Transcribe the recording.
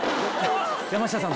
山下さん